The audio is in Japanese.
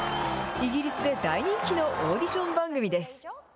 イギリスで大人気のオーディション番組です。